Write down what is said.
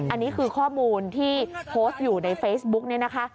อันนี้คือข้อมูลที่โพสต์อยู่ในเฟซบุ๊กเนี่ยนะคะ